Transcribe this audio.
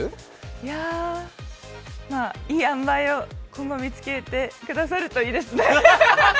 いや、いいあんばいを今後見つけてくださるといいですね。